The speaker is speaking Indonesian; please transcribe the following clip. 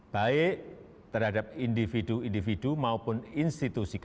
baik terhadap individu individu maupun institusi kpk